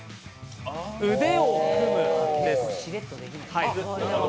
腕を組むです。